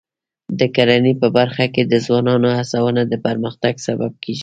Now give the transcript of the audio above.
د کرنې په برخه کې د ځوانانو هڅونه د پرمختګ سبب کېږي.